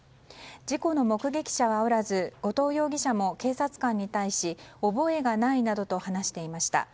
事故の目撃者はおらず後藤容疑者も警察官に対し覚えがないなどと話していました。